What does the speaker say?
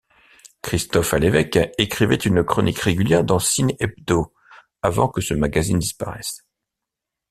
Christophe Alévêque écrivait une chronique régulière dans Siné Hebdo, avant que ce magazine disparaisse.